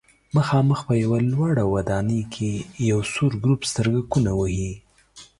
مخامخ په یوه لوړه ودانۍ کې یو سور ګروپ سترګکونه وهي.